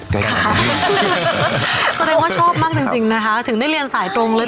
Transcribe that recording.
แสดงว่าชอบมากจริงนะคะถึงได้เรียนสายตรงเลย